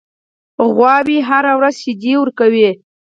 غواګانې هره ورځ شیدې ورکوي.